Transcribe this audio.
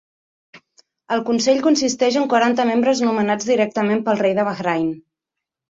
El consell consisteix en quaranta membres nomenats directament pel rei de Bahrain.